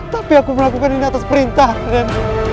tapi aku melakukan ini atas perintah kalian